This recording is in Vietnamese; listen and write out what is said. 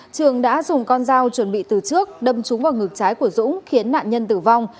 trường đã dùng con dao chuẩn bị từ trước đâm trúng vào ngực trái của dũng khiến nạn nhân tử vong